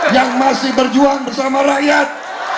yang masih berjuang bersama rakyat